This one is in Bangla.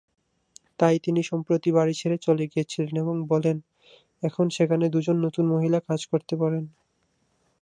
তাই তিনি সম্প্রতি বাড়ি ছেড়ে চলে গিয়েছিলেন এবং বলেন এখন সেখানে দু'জন নতুন মহিলা কাজ করতে পারেন।